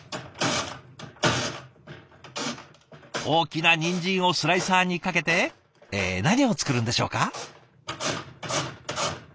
大きなにんじんをスライサーにかけてえ何を作るんでしょうか？